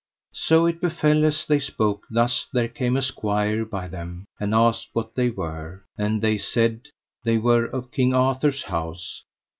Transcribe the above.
So it befell as they spoke thus there came a squire by them, and asked what they were; and they said they were of King Arthur's house.